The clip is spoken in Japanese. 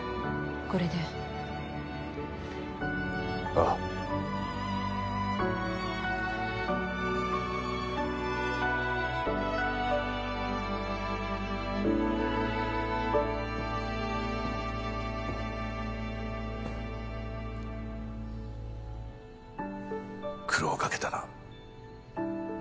これでああ苦労かけたな。